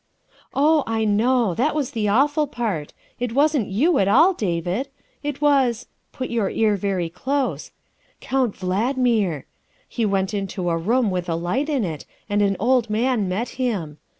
" Oh, I know. That was the awful part. It wasn't you at all, David. It was put your ear very close Count Valdmir. He went into a room with a light in it and an old man met him.